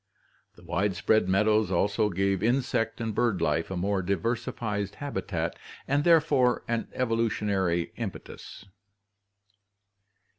The widespread mead ows also gave insect and bird life a more diversified habitat and therefore an evolutionary impetus.